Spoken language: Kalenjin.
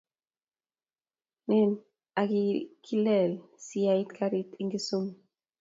Nen akilkee siyai karit en kisumu